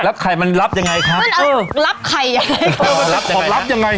รับไข่มันรับยังไงครับรับไข่ยังไงครับรับอย่างไร